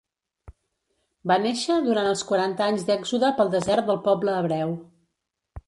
Va néixer durant els quaranta anys d'Èxode pel desert del poble hebreu.